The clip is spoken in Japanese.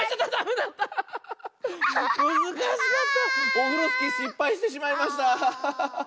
オフロスキーしっぱいしてしまいました！ハハハ。